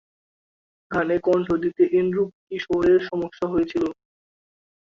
গানে কন্ঠ দিতে এন্ড্রু কিশোরের সমস্যা হচ্ছিল।